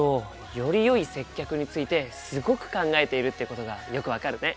よりよい接客についてすごく考えているってことがよく分かるね。